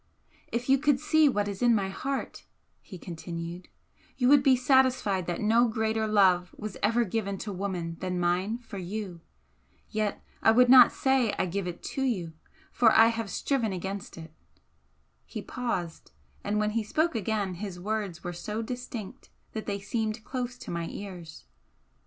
"If you could see what is in my heart," he continued "you would be satisfied that no greater love was ever given to woman than mine for you! Yet I would not say I give it to you for I have striven against it." He paused and when he spoke again his words were so distinct that they seemed close to my ears.